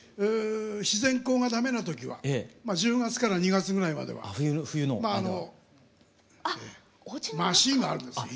自然光がだめなときは１０月から２月ぐらいまではまああのマシーンがあるんですよ。